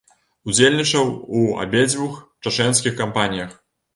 Удзельнічаў у абедзвюх чачэнскіх кампаніях.